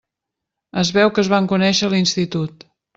Es veu que es van conèixer a l'institut.